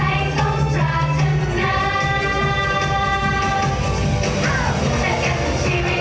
กลับมาไพ่อย่างยาว